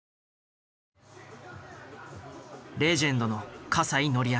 レジェンドの西紀明だ。